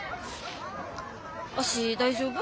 足大丈夫？